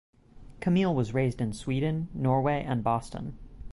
Camille was raised in Sweden, Norway and Boston.